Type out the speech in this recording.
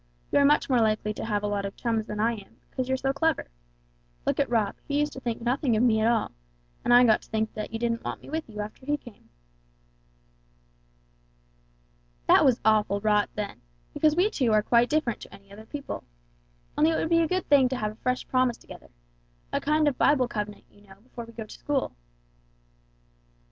You're much more likely to have a lot of chums than I am, because you're so clever. Look at Rob; he used to think nothing of me at all, and I got to think you didn't want me with you, after he came." "That was awful rot then, because we two are quite different to any other people. Only it would be a good thing to have a fresh promise together; a kind of Bible covenant, you know, before we go to school."